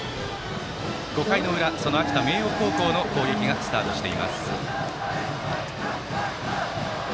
５回の裏、秋田・明桜高校の攻撃がスタートしています。